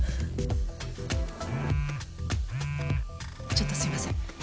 ちょっとすいません。